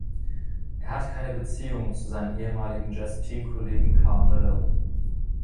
Er hat keine Beziehung zu seinem ehemaligen Jazz-Teamkollegen Karl Malone.